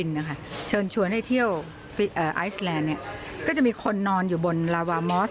นี่จะมีคนนอนอยู่บนลาวามอส